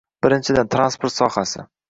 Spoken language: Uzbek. Birinchidan, transport sohasi